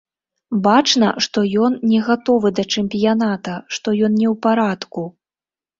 Бачна, што ён не гатовы да чэмпіяната, што ён не ў парадку.